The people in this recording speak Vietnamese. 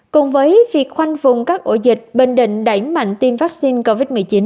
cùng với việc khoanh vùng các ổ dịch bình định đẩy mạnh tiêm vaccine covid một mươi chín